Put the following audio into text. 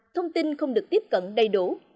thông tin không được tiếp cận đầy đủ